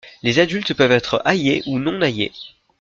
Les adultes peuvent être aillé ou non aillé.